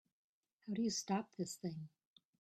How do you stop this thing?